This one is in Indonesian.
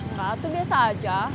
nggak itu biasa aja